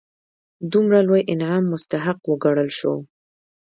دومره لوی انعام مستحق وګڼل شول.